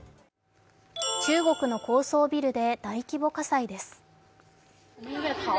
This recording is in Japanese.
中国の高層ビルで大規模火災です。